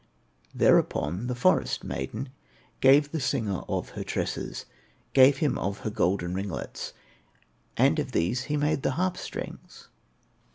Thereupon the forest maiden Gave the singer of her tresses, Gave him of her golden ringlets, And of these he made the harp strings.